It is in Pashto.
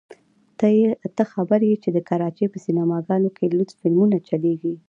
ته خبر يې چې د کراچۍ په سينما ګانو کښې لوڅ فلمونه چلېږي.